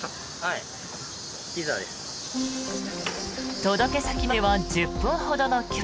届け先までは１０分ほどの距離。